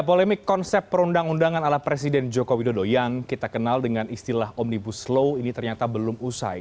polemik konsep perundang undangan ala presiden joko widodo yang kita kenal dengan istilah omnibus law ini ternyata belum usai